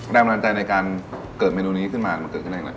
แรงบันดาลใจในการเกิดเมนูนี้ขึ้นมามันเกิดขึ้นได้อย่างไร